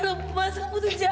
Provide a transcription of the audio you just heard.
iya aku jahat aku jahat